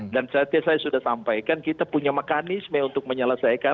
dan saya sudah sampaikan kita punya mekanisme untuk menyelesaikan